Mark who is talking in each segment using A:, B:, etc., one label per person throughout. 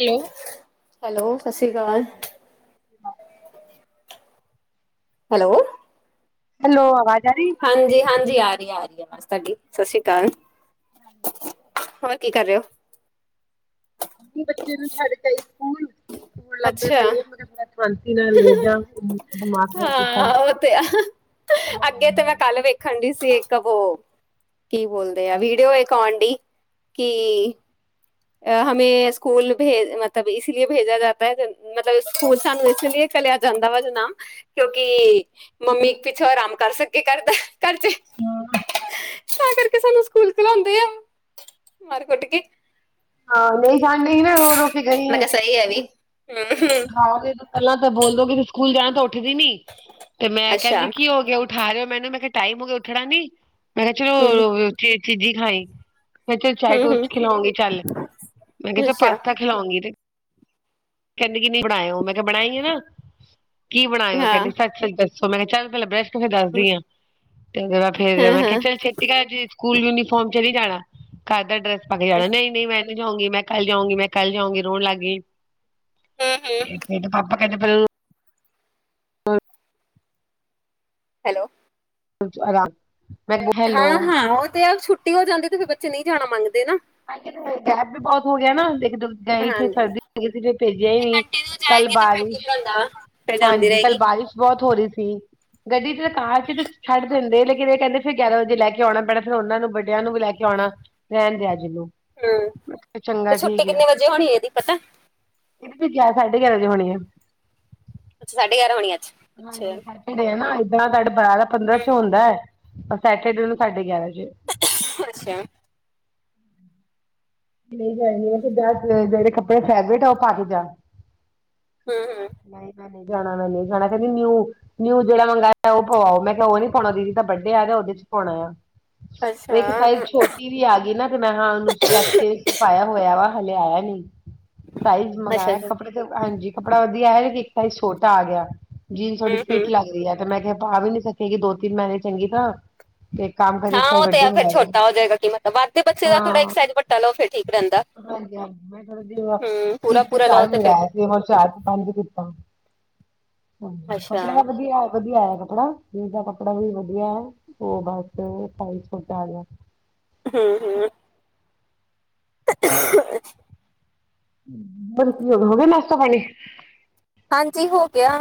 A: Hello
B: hello ਸਤਿ ਸ੍ਰੀ ਅਕਾਲ ਹੈਲੋ
A: ਹੈਲੋ ਆਵਾਜ਼ ਆ ਰਹੀ
B: ਹਾਂਜੀ ਹਾਂਜੀ ਆ ਰਹੀ ਆ ਰਹੀ ਹੈ ਬਸ ਤੁਹਾਡੀ ਸਤਿ ਸ਼੍ਰੀ ਅਕਾਲ
A: ਹਾਂਜੀ
B: ਹੋਰ ਕੀ ਕਰ ਰਹੇ ਹੋ
A: ਬੱਚੇ ਨੂੰ ਛੱਡ ਕੇਏ ਸਕੂਲ ਸਕ ਲੰਬੇ
B: ਅੱਛਾ
A: ਪਈ ਮ ਪਤਾ ਸ਼ਾਂਤੀ ਨਾਲ ਲੈ ਜਾ ਦਿਮਾਗ ਖਰਾਬ ਕੀਤਾ
B: ਹਾਂ ਉਹ ਤੇ ਆ ਅੱਗੇ
A: ਹਾਂਜੀ
B: ਤੇ ਮੈਂ ਕੱਲ ਵੇਖ ਖਣ ਸੀ ਇੱਕ ਵੋ ਕੀ ਬੋਲਦੇ ਆ ਵੀਡੀਓ ਇੱਕ ਆਉਣ ਡ ਕਿ ਅ ਹਮੇ ਸਕੂਲ ਭੇਜ ਮਤਲਬ ਇਸ ਲਈ ਭੇਜਾ ਜਾਤਾ ਹੈ ਮਤਲਬ ਸਕੂਲ ਸਾਨੂੰ ਇਸ ਲਈ ਕਲਿਆ ਜਾਂਦਾ ਵਾ ਜਨਾ ਕਿਉਂਕਿ ਮੰਮੀ ਇੱਕ ਪਿੱਛੋਂ ਆਰਾਮ ਕਰ ਸਕੇ ਕਰਦਾ ਕਰੇ ਤਾਂ ਕਰਕੇ ਸਾਨੂੰ ਸਕੂਲ ਖਲਾਉਂਦੇ ਆ ਮਰ ਕੁੱਟ ਕੇ
A: ਹਹ ਡ ਗ ਹੋਰ [inaudible]
B: ਮੈਂ ਕਿਹਾ ਸਹੀ ਹੈ ਇਹ ਵੀ।
A: ਪਹਿਲਾਂ ਤਾਂ ਬੋਲਦੋਗੇ ਸਕੂਲ ਜਾਣ ਤਾਂ ਉੱਠਦੀ ਨੀ ਤੇ ਮੈਂ
B: ਅੱਛਾ।
A: ਕਹਿੰਦੀ ਕੀ ਹੋ ਗਿਆ ਉਠਾਦੇ ਓ ਮੈਨੂੰ। ਮੈਂ ਕਿਹਾ ਟਾਈਮ ਹੋ ਗਿਆ, ਉੱਠਣਾ ਨੀ? ਮੈਂ ਕਿਹਾ ਚਲੋ
B: ਠੀਕ।
A: ਚੀਜ਼ੀ ਖਾਈ। ਮੈਂ ਕਿਹਾ ਚਾੲ
B: ਹੂੰ-ਹੂੰ
A: ਟੋਸਟ ਖਿਲਾਉਂਗੀ ਚੱਲ। ਮੈਂ ਕਿਹਾ
B: ਅੱਛਾ।
A: ਪਾਸਤਾ ਖਿਲਾਉਗੀ ਤੇ ਕਹਿੰਦੇ ਕਿ ਨਹੀਂ ਬਣਾਇਓ ਮੈਂ ਕਿਹਾ ਬਣਾਈ ਆ ਨਾ। ਕੀ ਬਣਾਇਓ
B: ਹਾਂ,
A: ਕਹਿੰਦੇ ਸੱਚ ਚ ਦੱਸੋ ਮੈਂ ਕਿਹਾ ਚੱਲ ਪਹਿਲਾਂ ਬਰੱਸ਼ ਕਰ ਫਿਰ ਦੱਸਦੀ ਆਂ ਤੇ ਉਹਦੇ ਬਾਅਦ ਫੇਰ ਮੈਂ
B: ਹਾਂ-ਹਾਂ। ਹੂੰ-ਹੂੰ।
A: ਕਿਹਾ ਚੱਲ ਜੀ ਸਕੂਲ ਯੂਨੀਫਾਰਮ ਚ ਨਹੀਂ ਜਾਣਾ ਘਰ ਦਾ ਡਰੈਸ ਪਾ ਕੇ ਜਾਣਾ ਨਹੀਂ ਨਹੀਂ ਮੈਂ ਕੱਲ ਜਾਊਗੀਂ। ਕੱਲ ਜਾਊਂਗੀਂ। ਮੈਂ ਕੱਲ ਜਾਊਗੀਂ। ਰੋਣ ਲੱਗ ਗਈ। ਫਿਂਦੇ ਪਾਪਾ ਕਹਿੰਦੇ ਪਹਿਲਾਂ ਹਾਂ
B: ਹੈਲੋ
A: ਆਰਾਮ ਮੈਂ ਹੈਲੋ
B: ਹਾਂ ਹਾਂ ਉਹ ਤੇ ਛੁੱਟੀ ਹੋ ਜਾਂਦੀ ਤੇ ਫਿਰ ਬੱਚੇ ਨਹੀਂ ਜਾਣਾ ਮੰਗਦੇ ਨਾ।
A: ਆ ਗੈਪ ਵੀ ਬਹੁਤ ਹੋ ਗਿਆ ਨਾ ਦੇਖਦੇ ਗਈ ਫਿਰ
B: ਹਾਂਜੀ।
A: ਸਰਦੀ
B: ਨਹੀਂ
A: ਲਗ ਗਗੀ ਸੀ, ਫਿਰ ਭੇਜਿਆ ਹੀ ਨਹੀ।
B: ਕੰਟੀਨਿਊ
A: ਕੱਲ
B: ਜਾਏਗੀ ਤੇ ਫਿਰ ਠੀਕ
A: ਬਾਰਿਸ਼,
B: ਰਹਿੰਦਾ ਵਾ, ਫਿਰ ਜਾਂਦੀ
A: ਹਾਂਜੀ। ਕੱਲ
B: ਰਹੇਗੀ।
A: ਬਾਰਿਸ਼ ਬਹੁਤ ਹੋ ਰਹੀ ਸੀ ਗੱਡੀ ਚ ਤਾਂ ਕਾਰ ਸੀ ਤੇ ਛੱਡ ਦਿੰਦੇ ਲੇਕਿਨ ਕਹਿੰਦੇ ਫਿਰ ਗਿਆਰਾਂ ਵਜੇ ਲੈ ਕੇ ਆਉਣਾ ਪੈਣਾ। ਫਿਰ ਉਹਨਾਂ ਨੂੰ, ਵੱਡਿਆਂ ਨੂੰ ਵੀ ਲੈ ਕੇ ਆਉਣਾ। ਰਹਿਣ ਦੇ ਅਜ ਤੂੰ।
B: ਹਮ ਤੇ ਛੁੱਟੀ ਕਿੰਨੇ ਵਜੇ ਹੋਣੀ ਇਹਦੀ, ਪਤਾ?
A: ਇਹਦੇ ਗਿਆਰਾਂ, ਸਾਢੇ ਗਿਆਰਾਂ ਵਜੇ ਹੋਣੀ ਐ।
B: ਅੱਛਾ। ਸਾਢੇ ਗਿਆਰਾਂ ਹੋਣੀ ਆਂ ਅੱਛਾ।
A: ਨਾ ਏਦਾਂ ਤੁਹਾਡੇ ਬਾਰਾਂ ਪੰਦਰਾਂ
B: ਹੂੰ
A: ਚ ਹੁੰਦਾ। ਸੈਟਰਡੇ ਨੂੰ ਸਾਡੇ ਗਿਆਰਾਂ ਵਜੇ।
B: ਅੱਛਾ।
A: ਨਹੀਂ ਕਰਦੀ ਹੈ ਤੇ ਜਿਹੜੇ ਕੱਪੜੇ ਫੈਵਰੇਟ ਆ ਉਹ ਪਾ ਕੇ ਜਾ।
B: ਹੂ ਹੂ,,,
A: ਨਹੀਂ ਮੈਂ ਨਹੀਂ ਜਾਣਾ ਮੈਂ ਨਹੀਂ ਜਾਣਾ ਕਹਿੰਦੀ ਨਿਊ ਨਿਊ ਜਿਹੜਾ ਮੰਗਾਇਆ ਉਹ ਪਵਾਓ ਮੈੈਂ ਕਿਹਾ ਉਹ ਨੀ ਪਾਉਣਾ ਦੀਦੀ ਦਾ ਬਡੇ ਆ ਰਿਹਾ ਉਹਦੇ ਚ ਪਾਉਣਾ ਆ। ਉਹ
B: ਅੱਛਾ।
A: ਇੱਕ ਸਾਇਜ ਛੋਟੀ ਵੀ ਆ ਗਈ ਨਾ ਤੇ ਮੈਂ ਹਾਂ ਉਹਨੂੰ ਪਾਇਆ ਹੋਇਆ ਵਾ। ਹਲੇੇ ਆਇਆ ਨੀ। ਸਾਈਜ਼ ਮੰਗਾਇਆ
B: ਅੱਛਾ-ਅੱਛਾ।
A: ਕੱਪੜੇ ਹਾਂਜੀ ਕੱਪੜਾ ਵਧੀਆ ਆਯਾ। ਇੱਕ ਸਾਇਜ ਛੋਟਾ ਆ ਗਿਆ ਜੀਨਸ ਥੋੜੀ
B: ਹੂੰ-ਹੂੰ,
A: ਫਿਟ ਲੱਗ ਰਹੀ ਹੈ। ਤੇ ਮੈਂ ਕਿਹਾ ਪਾ ਵੀ ਨੀ ਸਕੇ ਗਈ, ਦੋ ਤਿੰਨ ਮਹੀਨੇ ਚੰਗੀ ਤਰ੍ਹਾਂ। ਇਹ ਕੰਮ ਕਰੀਏ
B: ਹਾਂ
A: ਇੱਕ ਸਾਈਜ਼
B: ਉਹ ਤੇ
A: ਵੱਡੇ
B: ਹੈ ਫਿਰ
A: ਮੰਗਾ ਲਓ
B: ਛੋਟਾ ਹੋ ਜਾਏਗਾ ਕੀ ਮਤਲਬ ਵੱਧਦੇ ਬੱਚੇ ਦਾ ਥੋੜਾ
A: ਹਾਂ
B: ਸਜ਼ ਵੱਡਾ ਲਓ ਫਿਰ ਠੀਕ ਰਹਿੰਦਾ।
A: ਹਾਂਜੀ ਹਾਂਜੀ ਮੈਂ ਥੋੜਾ ਜਿਹਾ
B: ਹੂੰ,
A: ਤੀਨ ਤੋਂ
B: ਪੂਰਾ-ਪੂਰਾ
A: ਚਾਰ
B: ਲਓ ਤੇ ਫਿਰ
A: ਮੰਗਵਾਇਆ। ਹੋਰ ਚਾਰ ਪੰਜ ਕੀਤਾ ਹਾਂ
B: ਅੱਛਾ।
A: ਕੱਪੜੇ ਦਾ ਵਧੀਆ ਵਧੀਆ ਆਇਆ ਕੱਪੜਾ ਜੀਨਸ ਦਾ ਕੱਪੜਾ ਵੀ ਵਧੀਆ ਹੈ ਉਹ ਬਸ ਸਾਈਜ ਛੋਟਾ ਆ ਗਿਆ।
B: ਹੂ ਹੂ,,, [unintelligible]
A: ਹੋ ਗਿਆ ਨਾਸ਼ਤਾ ਪਾਣੀ?
B: ਹਾਂਜੀ ਹੋ ਗਿਆ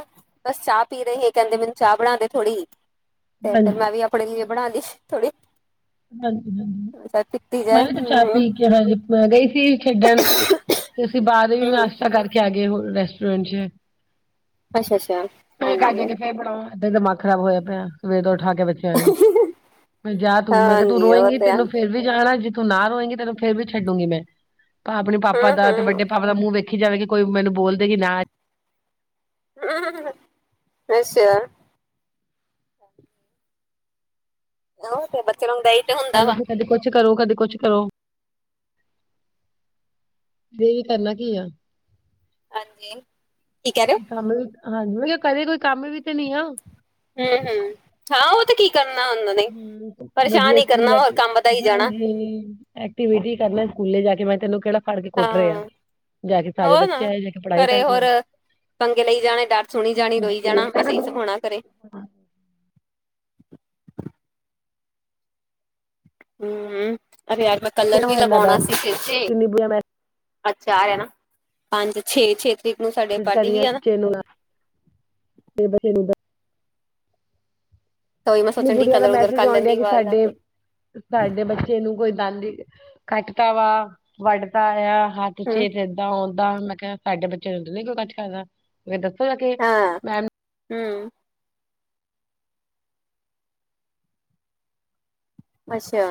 B: ਬਸ ਚਾਹ ਪੀ ਰਹੇ ਸੀ ਕਹਿੰਦੇ ਮੈਨੂੰ ਚਾਹ ਬਣਾਦੇ ਥੋੜ੍ਹੀ। ਤੇ
A: ਹਾਂਜੀ
B: ਮੈਂ ਵੀ ਆਪਣੇ ਲਈ ਬਣਾਲੀ ਥੋੜੀ।
A: ਹਾਂਜੀ ਹਾਂਜੀ।
B: ਚਾਹ ਪੀਤੀ।
A: ਮੈਂ ਵੀ
B: ਹੂੰ,
A: ਚਾਹ ਪੀ ਕੇ ਹੱਜ ਜਾਂ ਮੈਂ ਗਈ ਖੇਡਣ ਸੀ ਉਸ ਤੋਂ ਬਾਅਦ ਵੀ
B: ਹੂੰ-ਹੂੰ।
A: ਨਾਸ਼ਤਾ ਕੀਤਾ ਸੀ ਗਏ ਹੋ ਰੈਸਟੋਰੈਂਟ ਚ
B: ਅੱਛਾ-ਅੱਛਾ
A: [unintelligible]
B: ਹਾਂਜੀ,
A: ਇਦਾਂ ਦਿਮਾਗ ਖ਼ਰਾਬ ਹੋਇਆ ਪਿਆ ਸਵੇਰੇ ਤੋਂ ਉੱਠ ਕੇ ਬੱਚਿਆਂ ਨੂੰ ਮੈਂ ਜਗਾ ਤੂੰ ਮੈਂ ਕਿਹਾ ਤੂੰ
B: ਹਾਂਜੀ ਉਹ
A: ਰੋਵੇਂਗੀ
B: ਤੇ ਆ
A: ਤਿੰਨੋ ਫਿਰ ਵੀ ਜਾਣਾ ਜਿੱਥੇ ਨਾ ਹੋਵੇਗੀ ਤੈਨੂੰ ਫਿਰ ਛੱਡਾਂਗੀ ਮੈਂ ਆਪਣੇ ਪਾਪ ਦਾ ਤੇ
B: ਹੂੰ-ਹੂੰ।
A: ਵੱਡੇ ਪਾਪ ਦਾ ਮੂੰਹ ਵੇਖ ਵੇਖੀ ਜਾਵੇਗੀ ਕੋਈ ਮੈਨੂੰ ਕੁਝ ਬੋਲਦਾ ਹੀ ਨਾ
B: ਹੂ ਪੈਸੇਦਾਰ ਐਵੇਂ ਬੱਚਾਰਨ ਦਈ
A: ਸਾਨੂੰ ਕੀ ਕਦੇ ਕੁਝ ਕਰੋ ਕਦੇ ਕੁਝ ਕਰੋ। ਸੀ ਕਰਨਾ ਕੀ ਹੈ
B: ਹਾਂਜੀ ਠੀਕ ਹੈ।
A: ਕੰਮ ਵੀ ਹੈ ਹਾਂਜੀ ਘਰੇ ਕੋਈ ਕੰਮ ਵੀ ਤਾਂ ਨਹੀਂ ਹੈ।
B: ਹੂ ਹੂ ਹਾਂ ਉਹ ਤਾਂ ਕੀ ਕਰਨਾ ਅੰਦਨ
A: ਹੂ ਵਧੀਆ ਸਕੂਲ ਆ ਕੇ
B: ਵਧਾਈ ਜਾਣਾ
A: ਹਾਂਜੀ। ਐਕਟੀਵਿਟੀ ਕਰ ਲਿਆ ਸਕੂਲ ਜਾ ਕੇ ਮੈਂ ਤੈਨੂੰ ਕਿਹੜਾ ਫੜ ਕੇ ਕੁੱਟ ਰਿਹਾ ਹਾਂ ਜਾ ਕੇ ਸਾਰੇ
B: ਹੋਰ ਨਾ
A: ਬੱਚੇ ਪੜ੍ਹਾਈ
B: ਘਰੇ
A: ਕਰਕੇ
B: ਹੋਰ
A: ਆਓ।
B: ਪੰਗੇ ਲਈ ਜਾਣਾ ਡਰ ਸੁਣੀ ਜਾਣੀ ਰੋਈ ਜਾਣਾ ਬਸ ਇਹੀ ਸ਼ੌਕ ਹੋਣਾ ਘਰੇ
A: ਹਾਂ
B: ਹੂ ਯਾਰ ਮੈਂ ਕਲਰ
A: ਬੜਾ
B: ਵੀ
A: ਹੋਇਆ ਇਹਨਾਂ
B: ਲਗਾਉਣਾ
A: ਦਾ
B: ਸੀ ਸਿਰ ਤੇ
A: ਕਿੰਨੀ ਬੁਰਾ
B: ਅੱਛਾ ਆ ਹੈਨਾ ਪੰਜ ਛੇ ਛੇ ਤਰੀਕ ਨੂੰ ਸਾਡੇ
A: ਕੋਿ
B: ਪਾਰਟੀ
A: ਕਰੀਏ
B: ਵੀ ਆ ਨਾ
A: ਬੱਚੇ ਨੂੰ ਤੇ ਬੱਚੇ ਨੂੰ
B: ਤਾਂ ਉਹੀ ਮੈਂ
A: ਨਹੀਂ
B: ਸੋਚਣ ਡਈ
A: ਗੁੜੀਆ ਦਾ
B: ਕਲਰ ਉਲਰ
A: ਮੈਸੇਜ
B: ਕਰ
A: ਆਉਣ
B: ਲੈਂਦੀ
A: ਦੇ
B: ਵਾਲ ਦਾ
A: ਸਾਡੇ
B: ਤੇ।
A: ਸਾਡੇ ਬੱਚੇ ਨੂੰ ਕੋਈ ਦੰਦਾਂ ਨਾਲ ਕੱਟਦਾ ਜਾਂ ਵੱਢਦਾ ਹੈ। ਤੁਸੀਂ
B: ਹੂੰ,
A: ਇੱਦਾਂ-ਓਦਾਂ ਨਾ ਕਹੋ ਮੈਂ ਤਾਂ ਕਿਹਾ ਸੀ ਸਾਡੇ ਬੱਚੇ ਨੂੰ ਕੋਈ ਕੁਝ ਕਹਿੰਦਾ ਹੈ ਮੈਂ ਦੱਸਾਂ ਆ ਕੇ
B: ਹਾਂ
A: ਮੈਂ
B: ਹੂ ਅੱਛਾ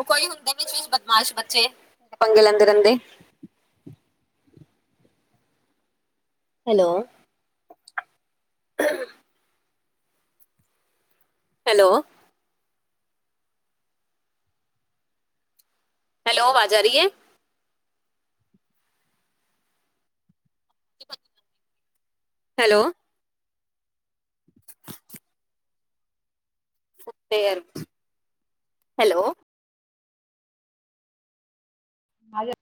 B: ਉਹ ਕੋਈ ਹੁੰਦੇ ਨੇ ਨਾ ਬਦਮਾਸ਼ ਬੱਚੇ ਪੰਗੇ ਲੈਂਦੇ ਰਹਿੰਦੇ ਨੇ ਹੈਲੋ [unintelligible] ਹੈਲੋ ਹੈਲੋ, ਆਵਾਜ਼ ਆ ਰਹੀ ਐ? ਹੈਲੋ। ਹੈਲੋ।
A: ਮਾ [unintelligible]